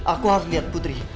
aku harus liat putri